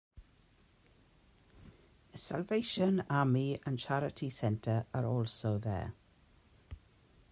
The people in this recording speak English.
A Salvation Army and charity centre are also there.